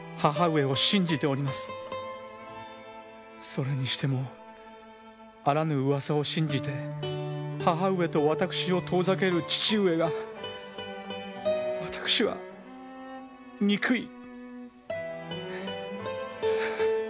それにしてもあらぬうわさを信じて母上と私を遠ざける父上が私は憎い！